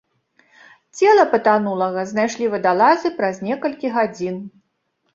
Цела патанулага знайшлі вадалазы праз некалькі гадзін.